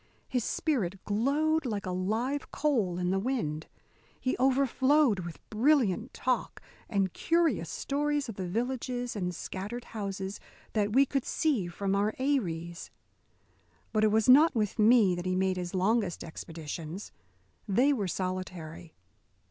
His spirit glowed like a live coal in the wind. He overflowed with brilliant talk and curious stories of the villages and scattered houses that we could see from our eyries. But it was not with me that he made his longest expeditions. They were solitary.